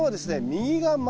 右が前。